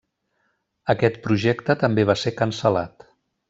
Aquest projecte també va ser cancel·lat.